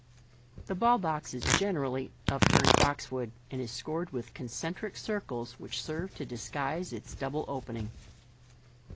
The ball box is generally of turned boxwood, and i s scored with concen tric circles, which serve to disguise its doable opening.